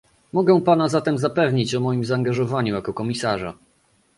Mogę pana zatem zapewnić o moim zaangażowaniu jako komisarza